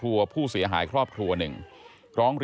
ไอ้แม่ได้เอาแม่ได้เอาแม่